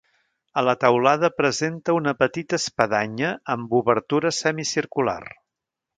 A la teulada presenta una petita espadanya amb obertura semicircular.